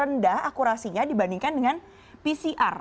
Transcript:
rendah akurasinya dibandingkan dengan pcr